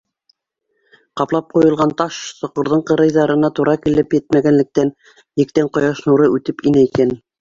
Ҡаплап ҡуйылған таш соҡорҙоң ҡырыйҙарына тура килеп етмәгәнлектән, ектән ҡояш нуры үтеп инә икән.